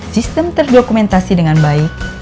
sistem terdokumentasi dengan baik